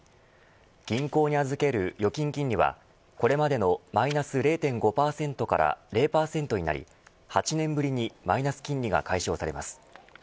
銀行に預ける預金金利はこれまでのマイナス０．５％から０％になり８年ぶりにマイナス金利が解消されます。